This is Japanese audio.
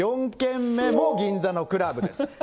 ４軒目も銀座のクラブです。